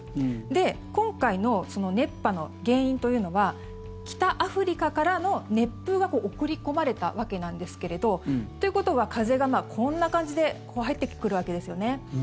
で、今回の熱波の原因というのは北アフリカからの熱風が送り込まれたわけなんですけれどということは風が、こんな感じで入ってくるわけですよね。